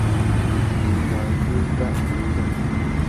Ngu má zu éta anenga.